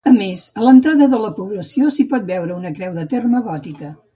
A més, a l'entrada de la població s'hi pot veure una creu de terme gòtica.